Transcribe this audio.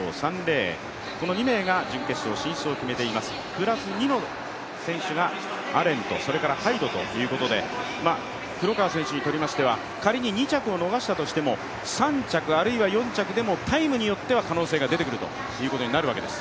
プラス２の選手がアレン、それからハイドということで黒川選手にとっても、仮に２着を逃したとしても３着あるいは４着でもタイムによっては可能性が出てくるということになるわけです。